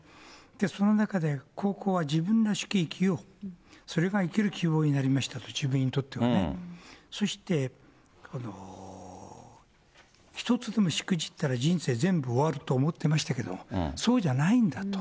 その中で高校は自分らしく生きよう、それが生きる希望になりましたと、自分にとってはね、そして、１つでもしくじったら人生全部終わると思ってましたけど、そうじゃないんだと。